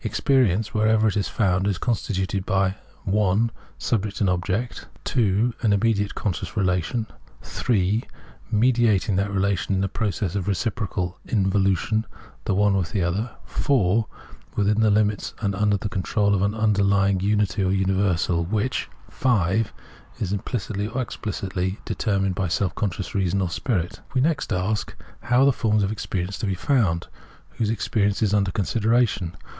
Experience, wherever found, is constituted by (1) subject and object, (2) in immediate conscious relation, (3) mediating that relation in a process of reciprocal in volution, the one with the other, (4) within the limits, and under the control, of an underlying unity or universal, which (5) is implicitly or explicitly determined bj self conscious reason or Spirit. We next ask, how are the forms of experience to be found ? Whose experience is under consideration